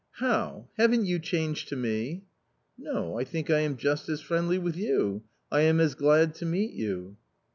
" How ! haven't you changed to me ?"" No ; I think I am just as friendly with you; I am as glad to meet you."